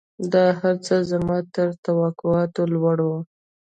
دا هرڅه زما تر توقعاتو لوړ وو.